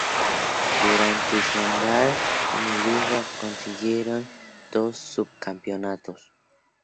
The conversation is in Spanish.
Durante su andar en la liga, consiguieron dos subcampeonatos.